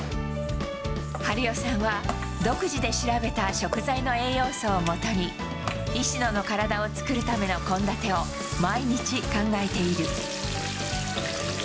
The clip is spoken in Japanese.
春代さんは、独自で調べた食材の栄養素をもとに、石野の体を作るための献立を毎日考えている。